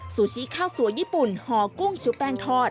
ซูชิข้าวสัวญี่ปุ่นห่อกุ้งชุบแป้งทอด